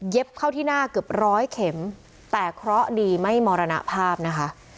เข้าที่หน้าเกือบร้อยเข็มแต่เคราะห์ดีไม่มรณภาพนะคะ